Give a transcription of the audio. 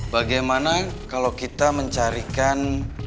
bagaimana kalau kita mencarikan